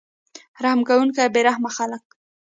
رحم کوونکي او بې رحمه خلک